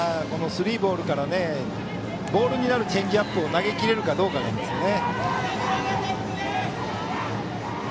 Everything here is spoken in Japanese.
スリーボールから、ボールになるチェンジアップを投げきれるかどうかですね。